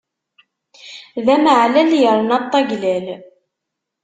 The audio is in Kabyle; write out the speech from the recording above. D amaɛlal yerna ṭṭaglal.